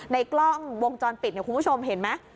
ในกล้องวงจรปิดเนี่ยคุณผู้ชมเห็นไหม